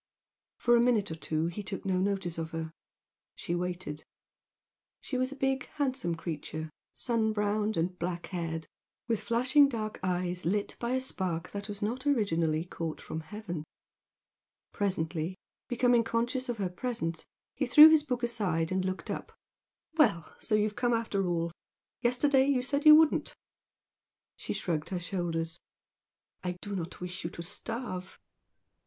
For a minute or two he took no notice of her. She waited. She was a big handsome creature, sun browned and black haired, with flashing dark eyes lit by a spark that was not originally caught from heaven. Presently, becoming conscious of her presence, he threw his book aside and looked up. "Well! So you've come after all! Yesterday you said you wouldn't." She shrugged her shoulders. "I do not wish you to starve."